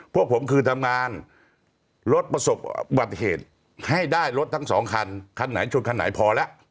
พวกผมคือทำงานรถประสบอุบัติเหตุให้ได้รถทั้งสองคันคันไหนชนคันไหนพอแล้ว